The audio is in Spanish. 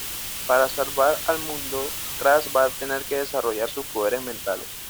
Para salvar al mundo, Raz va a tener que desarrollar sus poderes mentales.